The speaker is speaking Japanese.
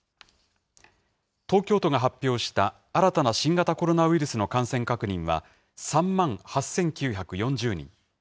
東京都が発表した、新たな新型コロナウイルスの感染確認は、３万８９４０人。